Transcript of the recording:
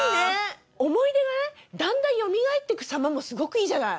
想い出がねだんだんよみがえってくさまもすごくいいじゃない。